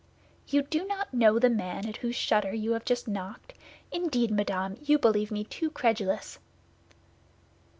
"You do not know the man at whose shutter you have just knocked? Indeed, madame, you believe me too credulous!"